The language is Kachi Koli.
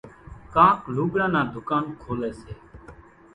ڪانڪ لُوڳڙان نان ڌُڪانَ کوليَ سي۔